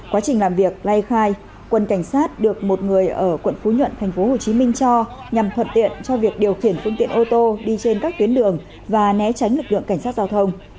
quá trình làm việc lai khai quân cảnh sát được một người ở quận phú nhuận tp hcm cho nhằm thuận tiện cho việc điều khiển phương tiện ô tô đi trên các tuyến đường và né tránh lực lượng cảnh sát giao thông